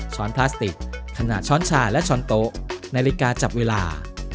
้อนพลาสติกขนาดช้อนชาและช้อนโต๊ะนาฬิกาจับเวลา